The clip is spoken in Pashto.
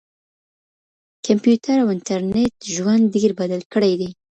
کمپیوټر او انټرنیټ ژوند ډېر بدل کړی دی.